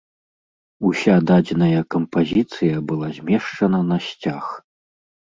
Уся дадзеная кампазіцыя была змешчана на сцяг.